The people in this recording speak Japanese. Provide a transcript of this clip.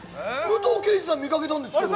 武藤敬司さん見かけたんですけど。